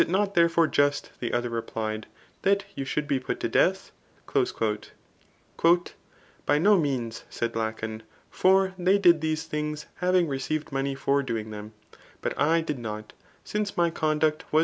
379 therefore ju^t, the other replied, that you also should be put to deadi V' *^ By no means, said Lacoir. For they did these things, havmg received money^r doing diem ] but I did not} since my conduct was.